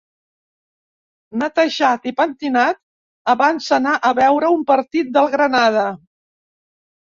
Netejat i pentinat abans d'anar a veure un partit del Granada.